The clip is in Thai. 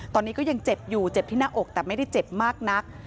ตอนนี้ก็ยังเจ็บอยู่เจ็บที่หน้าอกแต่ไม่ได้เจ็บมากนัก